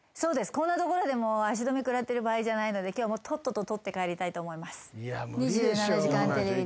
こんなとこで足止め食らってる場合じゃないので今日はもうとっとと取って帰りたいと思います。